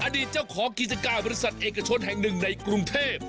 อดีตเจ้าของกิจการบริษัทเอกชนแห่งหนึ่งในกรุงเทพ